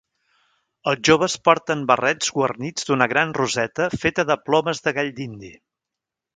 Els joves porten barrets guarnits d’una gran roseta feta de plomes de gall dindi.